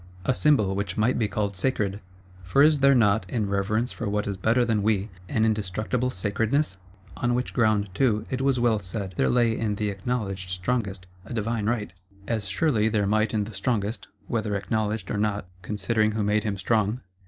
A Symbol which might be called sacred; for is there not, in reverence for what is better than we, an indestructible sacredness? On which ground, too, it was well said there lay in the Acknowledged Strongest a divine right; as surely there might in the Strongest, whether Acknowledged or not,—considering who it was that made him strong.